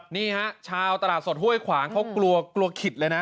นี่ฮะชาวตลาดสดห้วยขวางเขากลัวกลัวขิดเลยนะ